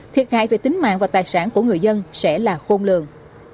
thiệt hại về tính mạng và tài sản của người dân sẽ là khôn lường